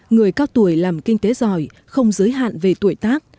người cao tuổi làm kinh tế giỏi không giới hạn về tuổi tác